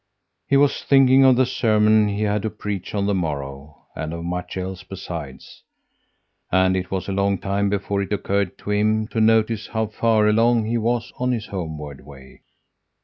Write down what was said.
"He was thinking of the sermon he had to preach on the morrow, and of much else besides, and it was a long time before it occurred to him to notice how far along he was on his homeward way.